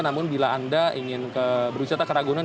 namun bila anda ingin berwisata ke ragunan